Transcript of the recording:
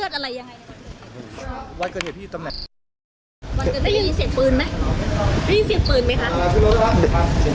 มันจะได้ยินเสียงปืนไหมได้ยินเสียงปืนไหมคะ